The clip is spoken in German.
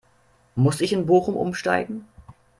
Muss ich in Bochum Umsteigen?